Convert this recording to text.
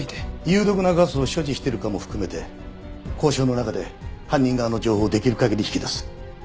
有毒なガスを所持してるかも含めて交渉の中で犯人側の情報をできる限り引き出す。